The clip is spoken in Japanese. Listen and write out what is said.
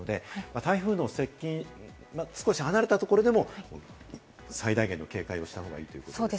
台風の接近は少し離れたところでも、最大限の警戒をした方がいいということですね。